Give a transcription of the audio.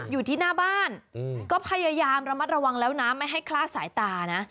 อยู่ที่หน้าบ้านก็พยายามระมัดระวังแล้วนะไม่ให้คลาดสายตานะ